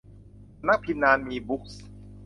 สำนักพิมพ์นานมีบุ๊คส์